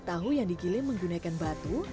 tahu yang dikirim menggunakan batu